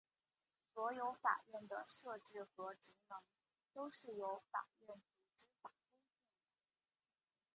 所有法院的设置和职能都是由法院组织法规定的。